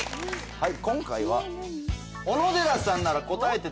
はい。